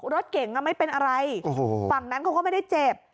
รถเก่งไม่เป็นอะไรฝั่งนั้นเขาก็ไม่ได้เจ็บ